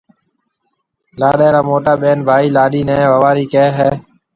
لاڏيَ را موٽا ٻين ڀائي لاڏيِ نَي ووارِي ڪهيَ هيَ۔